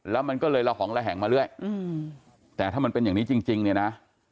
แล้วมันก็เลยละหองระแหงมาเรื่อยแต่ถ้ามันเป็นอย่างนี้จริงเนี่ยนะ